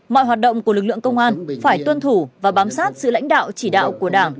mọi hoạt động của lực lượng công an phải tuân thủ và bám sát sự lãnh đạo chỉ đạo của đảng